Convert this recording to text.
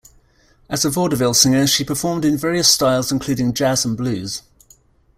As a vaudeville singer she performed in various styles, including jazz and blues.